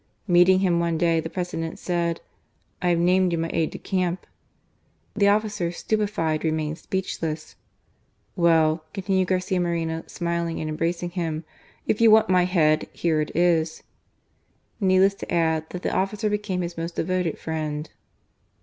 Meeting him one day, the President said :" I have named you my aide de camp." The officer, stupe fied, remained speechless. " Well," continued Garcia Moreno, smiling and embracing him ;" if you want my head, here it is." Needless to add that the officer became his most devoted friend.